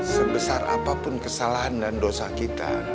sebesar apapun kesalahan dan dosa kita